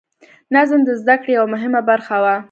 نظم د زده کړې یوه مهمه برخه وه.